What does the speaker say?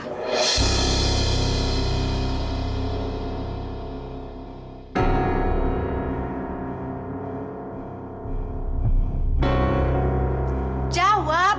kau bisa menjawab